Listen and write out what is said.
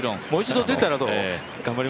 もう一度出たらどう？